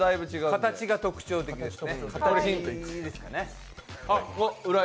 形が特徴的です。